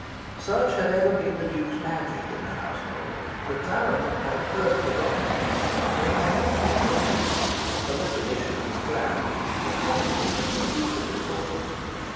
Such had ever been the Duke's magic in the household that Clarence had at first forgotten to mention that any one else was dead. Of this omission he was glad. It promised him a new lease of importance.